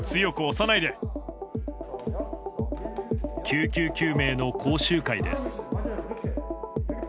救急救命の講習会です。